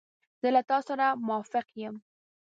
زه له تا سره موافق یم.